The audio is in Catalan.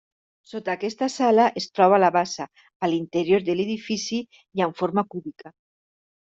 Sota aquesta sala es troba la bassa, a l'interior de l'edifici i amb forma cúbica.